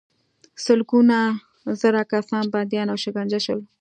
سلګونه زره کسان بندیان او شکنجه شول.